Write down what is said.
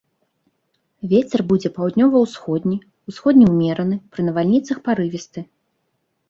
Вецер будзе паўднёва-ўсходні, усходні ўмераны, пры навальніцах парывісты.